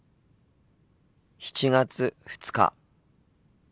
７月２日。